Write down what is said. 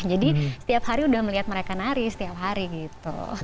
jadi setiap hari udah melihat mereka nari setiap hari gitu